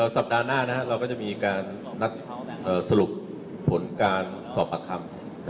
สัปดาห์หน้าเราก็จะมีการนัดสรุปผลการสอบปากคำ